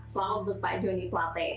selamat untuk kpai go id